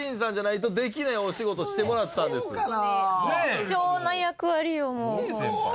貴重な役割を今回。